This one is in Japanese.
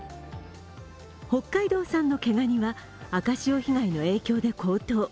北海道産の毛がには赤潮被害の影響で高騰。